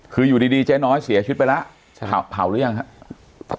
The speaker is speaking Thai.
คืออยู่ดีเจ๊น้อยเสียชีวิตไปแล้วจะเผาหรือยังครับ